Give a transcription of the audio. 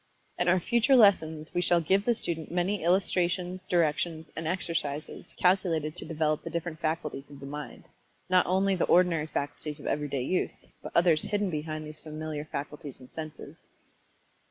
In our future lessons we shall give the student many illustrations, directions, and exercises calculated to develop the different faculties of the mind not only the ordinary faculties of everyday use, but others hidden behind these familiar faculties and senses.